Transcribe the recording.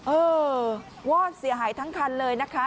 เออวอดเสียหายทั้งคันเลยนะคะ